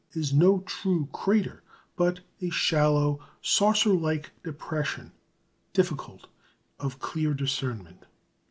is no true crater, but a shallow, saucer like depression, difficult of clear discernment.